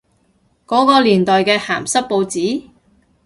嗰個年代嘅鹹濕報紙？